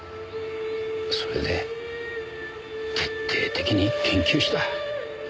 それで徹底的に研究した。